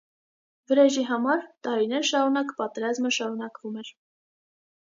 Վրեժի համար՝ տարիներ շարունակ պատերազմը շարունակվում էր։